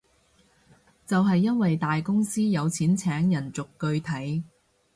就係因為大公司有錢請人逐句睇